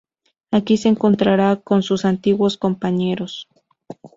Aquí se encontrará con sus antiguos compañeros.